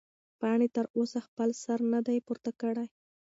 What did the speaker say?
پاڼې تر اوسه خپل سر نه دی پورته کړی.